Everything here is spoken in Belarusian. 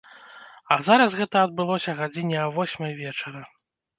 А зараз гэта адбылося гадзіне а восьмай вечара.